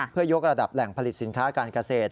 เพื่อยกระดับแหล่งผลิตสินค้าการเกษตร